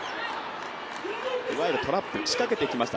いわゆるトラップ、仕掛けてきました。